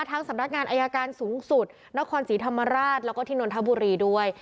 สำนักงานอายการสูงสุดนครศรีธรรมราชแล้วก็ที่นนทบุรีด้วย